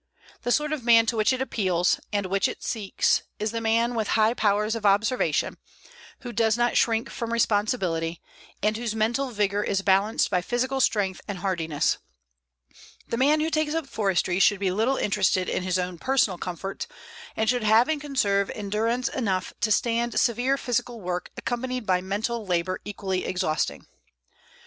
The sort of man to which it appeals, and which it seeks, is the man with high powers of observation, who does not shrink from responsibility, and whose mental vigor is balanced by physical strength and hardiness. The man who takes up forestry should be little interested in his own personal comfort, and should have and conserve endurance enough to stand severe physical work accompanied by mental labor equally exhausting.